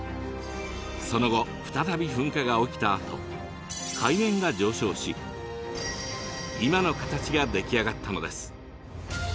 その後再び噴火が起きたあと海面が上昇し今の形が出来上がったのです。